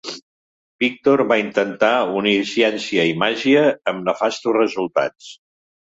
Víctor va intentar unir ciència i màgia amb nefastos resultats.